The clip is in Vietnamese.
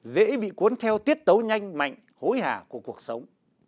dễ bị cuốn theo tiết tấu nhanh mạnh hối hà của cuộc sống